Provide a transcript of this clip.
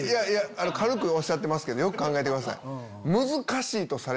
軽くおっしゃってますけどよく考えてください。